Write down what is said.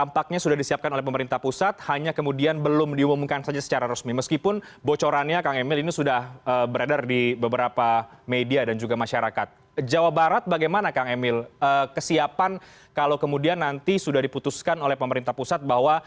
baik alhamdulillah sehat bang renat juga sehat